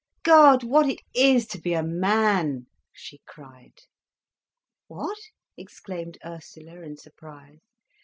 "God, what it is to be a man!" she cried. "What?" exclaimed Ursula in surprise.